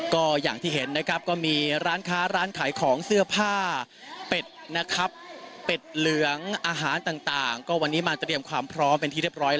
ก็อย่างที่เห็นนะครับก็มีร้านค้าร้านขายของเสื้อผ้าเป็ดนะครับเป็ดเหลืองอาหารต่างก็วันนี้มาเตรียมความพร้อมเป็นที่เรียบร้อย